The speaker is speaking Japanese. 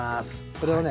これをね